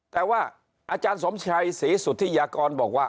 แต่ว่าอาจารย์สมชัยศรีสุธิยากรบอกว่า